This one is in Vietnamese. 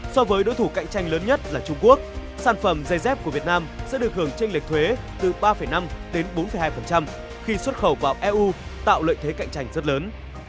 so với đối thủ cạnh tranh lớn nhất là trung quốc sản phẩm dây dép của việt nam sẽ được hưởng tranh lệch thuế từ ba năm đến bốn hai khi xuất khẩu vào eu tạo lợi thế cạnh tranh rất lớn